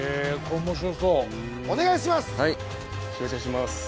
お願いします！